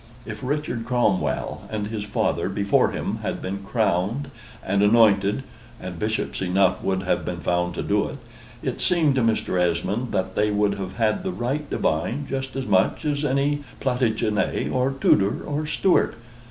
If Richard Cromwell, and his father before him had been crowned and anointed (and bishops enough would have been found to do it), it seemed to Mr. Esmond that they would have had the right divine just as much as any Plantagenet, or Tudor, or Stuart.